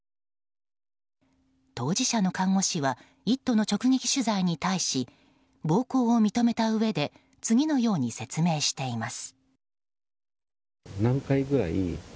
当事者の看護師は「イット！」の直撃取材に対し暴行を認めたうえで次のように説明しています。